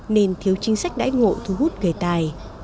nên thiếu chính sách đãi ngộ thu hút người tài